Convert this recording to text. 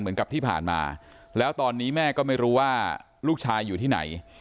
เหมือนกับที่ผ่านมาแล้วตอนนี้แม่ก็ไม่รู้ว่าลูกชายอยู่ที่ไหน